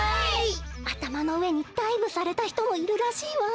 あたまのうえにダイブされたひともいるらしいわ。